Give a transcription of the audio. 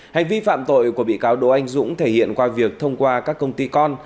hành vi phạm tội của bị cáo đỗ anh dũng thể hiện qua việc thông qua các công ty con